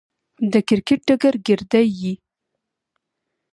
د کرکټ ډګر ګيردى يي.